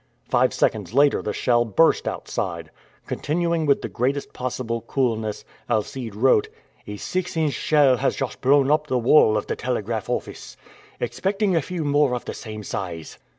Five seconds later the shell burst outside. Continuing with the greatest possible coolness, Alcide wrote: "A six inch shell has just blown up the wall of the telegraph office. Expecting a few more of the same size."